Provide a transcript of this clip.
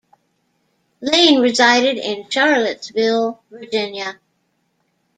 Lane resided in Charlottesville, Virginia.